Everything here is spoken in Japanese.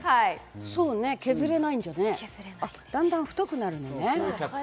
削れないんじゃね、だんだん太くなるのね。